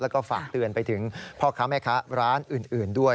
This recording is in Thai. แล้วก็ฝากเตือนไปถึงพ่อค้าแม่ค้าร้านอื่นด้วย